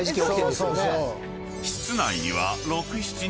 ［室内には］